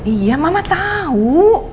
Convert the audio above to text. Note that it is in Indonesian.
iya mama tahu